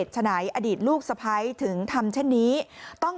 บอกว่านี้มันบ้ามันบ้าจริง